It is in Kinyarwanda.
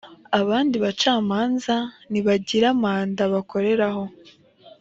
abandi bacamanza ntibagira manda bakoreraho.